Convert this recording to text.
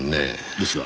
ですが